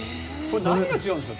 何が違うんですか？